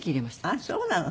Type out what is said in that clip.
あっそうなの。